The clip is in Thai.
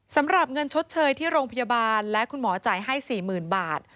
สำหรับเงินชดเชยที่โรงพยาบาลและคุณหมอจ่ายให้๔๐๐๐บาท